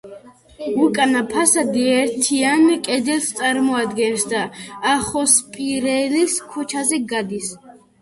უკანა ფასადი ერთიან კედელს წარმოადგენს და ახოსპირელის ქუჩაზე გადის.